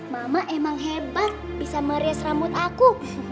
mama emang hebat bisa merias rambut aku